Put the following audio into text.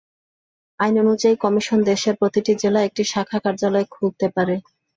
আইন অনুযায়ী কমিশন দেশের প্রতিটি জেলায় একটি শাখা কার্যালয় খুলতে পারে।